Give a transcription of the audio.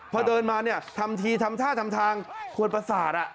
พอเดินมาเนี่ยทำทีทำท่าทำทางควรประสาท